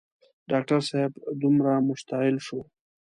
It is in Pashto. ډاکټر صاحب دومره مشتعل شو.